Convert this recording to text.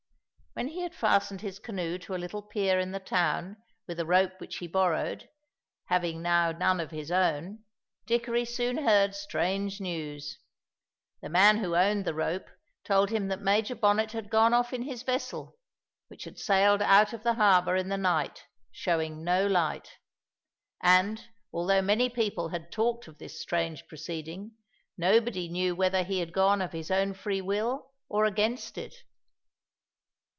When he had fastened his canoe to a little pier in the town with a rope which he borrowed, having now none of his own, Dickory soon heard strange news. The man who owned the rope told him that Major Bonnet had gone off in his vessel, which had sailed out of the harbour in the night, showing no light. And, although many people had talked of this strange proceeding, nobody knew whether he had gone of his own free will or against it.